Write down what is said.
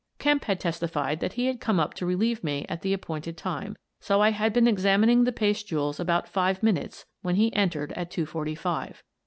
Kemp had testified that he had come up to relieve me at the appointed time, so that I had been examining the paste jewels about five minutes when he entered at two forty five.